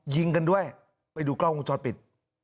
ยิงกันด้วยไปดูกล้องวงจรปิด